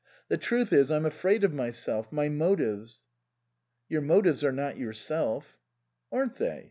The truth is, I'm afraid of myself my motives." " Your motives are not yourself." " Aren't they